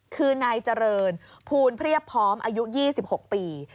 คือนายเจริญภูลเพียบพร้อมอายุ๒๖ปี